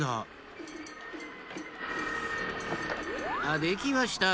あできました。